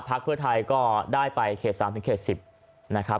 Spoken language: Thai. เพื่อไทยก็ได้ไปเขต๓เขต๑๐นะครับ